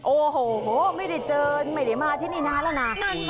โอ้โหไม่ได้เจอไม่ได้มาที่นี่นานแล้วนะ